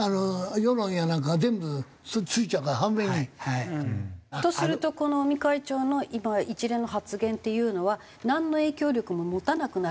世論やなんかが全部ついちゃうから。とするとこの尾身会長の今一連の発言っていうのはなんの影響力も持たなくなるんですか？